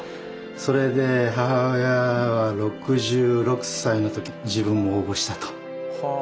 それで母親は６６歳の時自分も応募したと。